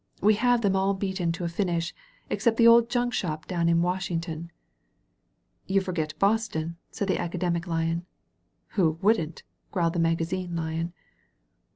"We have them all beaten to a finish — except the old junk shop down in Washington." "You forget Boston," said the Academic Lion. "Who wouldn't?" growled the Magazine Lion.